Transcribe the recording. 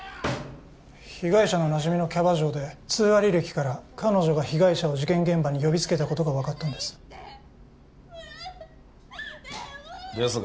被害者のなじみのキャバ嬢で通話履歴から彼女が被害者を事件現場に呼びつけたことが分かったんですですが